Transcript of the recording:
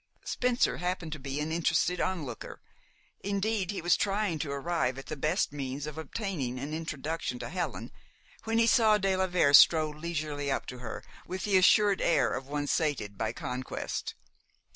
Spencer happened to be an interested onlooker. Indeed, he was trying to arrive at the best means of obtaining an introduction to Helen when he saw de la Vere stroll leisurely up to her with the assured air of one sated by conquest.